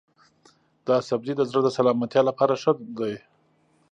دا سبزی د زړه د سلامتیا لپاره ښه دی.